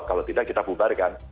kalau tidak kita bubarkan